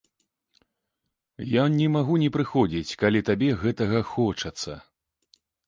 Я магу не прыходзіць, калі табе гэтага хочацца.